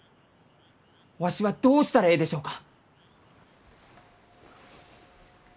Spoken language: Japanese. わしはどうしたらえいでしょうか？